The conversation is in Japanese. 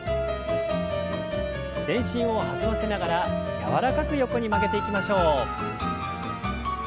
全身を弾ませながら柔らかく横に曲げていきましょう。